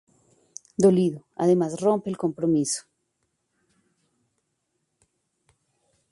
Dolido, además, rompe el compromiso.